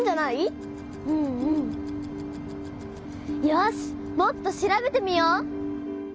よしもっと調べてみよう！